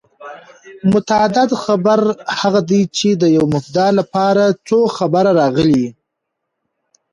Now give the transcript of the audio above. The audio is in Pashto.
متعدد خبر هغه دئ، چي د یوې مبتداء له پاره څو خبره راغلي يي.